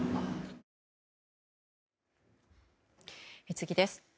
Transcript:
次です。